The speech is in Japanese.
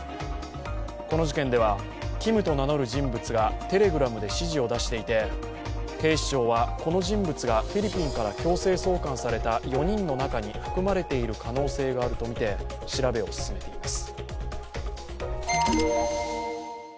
この事件ではＫｉｍと名乗る人物がＴｅｌｅｇｒａｍで指示を出していて警視庁は、この人物がフィリピンから強制送還された４人の中に含まれている可能性があるとみて調べています。